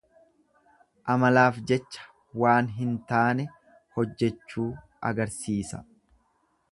Amalaaf jecha waan hin taane hojjechuu agarsiisa.